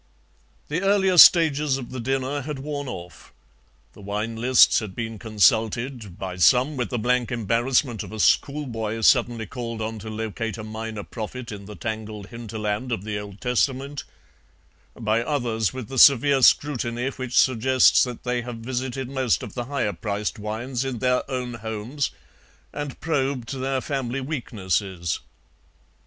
"The earlier stages of the dinner had worn off. The wine lists had been consulted, by some with the blank embarrassment of a schoolboy suddenly called on to locate a Minor Prophet in the tangled hinterland of the Old Testament, by others with the severe scrutiny which suggests that they have visited most of the higher priced wines in their own homes and probed their family weaknesses.